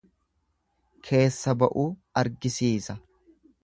Keessa ba'uu argisiisa.